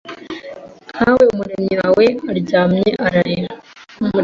nkawe Umuremyi wawe aryamye ararira